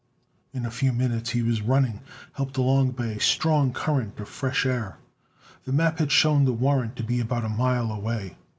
In a few minutes he was running, helped along by a strong current of fresh air. The map had shown the warren to be about a mile away.